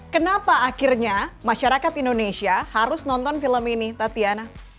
kenapa akhirnya masyarakat indonesia harus nonton film ini tatiana